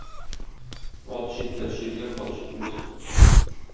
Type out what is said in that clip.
Ат җитмәс җиргә хат җитмәс.